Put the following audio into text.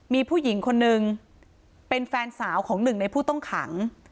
มีผู้หญิงคนนึงเป็นแฟนสาวของหนึ่งในผู้ต้องขัง